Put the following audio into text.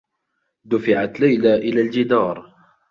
دُفعت ليلى إلى الجدار.